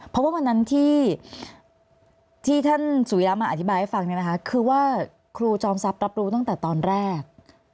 เพราะว่าวันนั้นที่ท่านสุริยะมาอธิบายให้ฟังเนี่ยนะคะคือว่าครูจอมทรัพย์รับรู้ตั้งแต่ตอนแรก